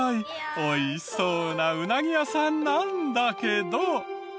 美味しそうなウナギ屋さんなんだけど。